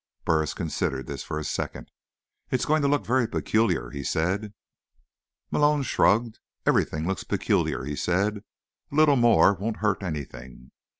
Burris considered this for a second. "It's going to look very peculiar," he said. Malone shrugged. "Everything looks peculiar," he said. "A little more won't hurt anything.